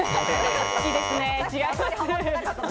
好きですね。